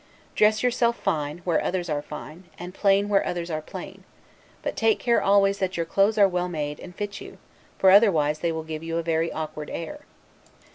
Dress yourself fine, where others are fine; and plain where others are plain; but take care always that your clothes are well made, and fit you, for otherwise they will give you a very awkward air.